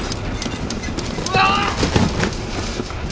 うわ！